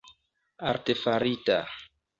artefarita